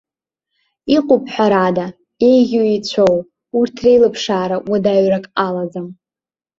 Иҟоуп, ҳәарада, еиӷьу-еицәоу, урҭ реилыԥшаара уадаҩрак алаӡам.